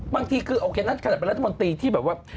บางทีคือโอเคนั้นขนาดเป็นรัฐมนตรีที่แบบว่า